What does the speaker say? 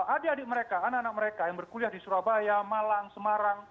adik adik mereka anak anak mereka yang berkuliah di surabaya malang semarang